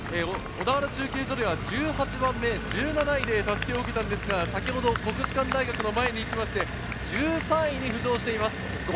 小田原中継所では１８番目、１７位で襷を受けましたが、先ほど国士舘大学の前に出て、１３位に浮上しています。